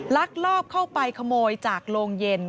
ลักลอบเข้าไปขโมยจากโรงเย็น